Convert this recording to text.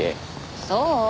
そう？